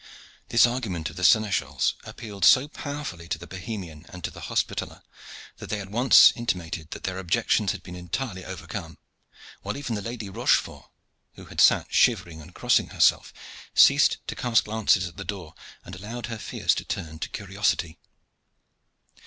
This argument of the seneschal's appealed so powerfully to the Bohemian and to the Hospitaller that they at once intimated that their objections had been entirely overcome, while even the Lady Rochefort, who had sat shivering and crossing herself, ceased to cast glances at the door, and allowed her fears to turn to curiosity.